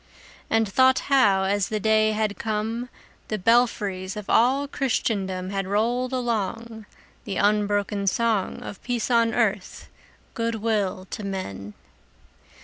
And thought how, as the day had come, The belfries of all Christendom Had rolled along The unbroken song Of peace on earth, good will to men!